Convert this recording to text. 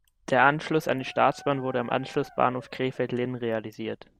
Der Anschluss an die Staatsbahn wurde am Anschlussbahnhof Krefeld-Linn realisiert.